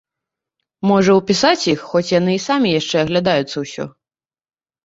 Можа, упісаць іх, хоць яны і самі яшчэ аглядаюцца ўсё?